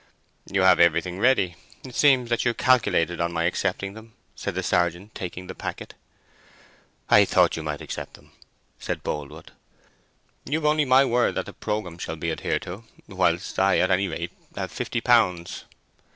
"You have everything ready—it seems that you calculated on my accepting them," said the sergeant, taking the packet. "I thought you might accept them," said Boldwood. "You've only my word that the programme shall be adhered to, whilst I at any rate have fifty pounds."